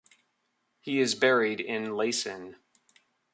He is buried in Leysin.